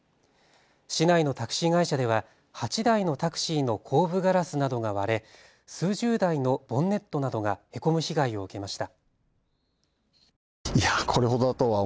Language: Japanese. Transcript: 市内のタクシー会社では８台のタクシーの後部ガラスなどが割れ数十台のボンネットなどがへこむ被害を受けました。